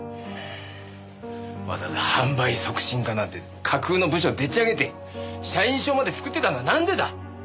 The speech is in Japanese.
わざわざ販売促進課なんて架空の部署でっちあげて社員証まで作ってたのはなんでだ？